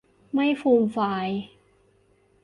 ไม่ฟูมฟาย